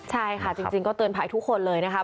ใช่ค่ะจริงก็เตือนภัยทุกคนเลยนะคะ